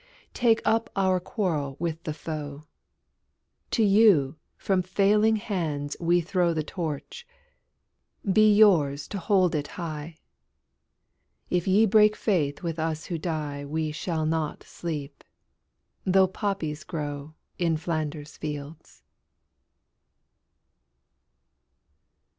Take up our quarrel with the foe: To you from failing hands we throw The Torch: be yours to hold it high! If ye break faith with us who die We shall not sleep, though poppies grow In Flanders fields.